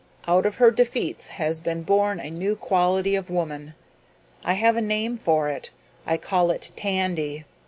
Out of her defeats has been born a new quality in woman. I have a name for it. I call it Tandy.